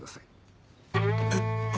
えっ！？